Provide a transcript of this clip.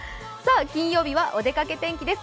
水曜日はおでかけ天気です。